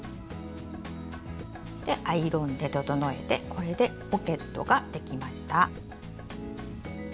アイロンで整えてこれでポケットができました。